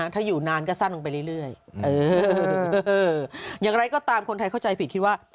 ถ้าอยู่นานก็สั้นลงไปเรื่อยอย่างไรก็ตามคนไทยเข้าใจผิดคิดว่า